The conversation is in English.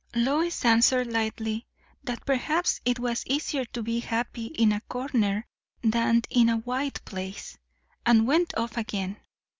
Lois answered lightly, that perhaps it was easier to be happy in a corner than in a wide place; and went off again.